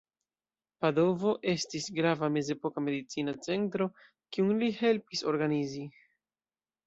Padovo estis grava mezepoka medicina centro, kiun li helpis organizi.